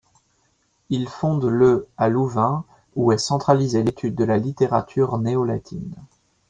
Il fonde le à Louvain où est centralisée l'étude de la littérature néo-latine.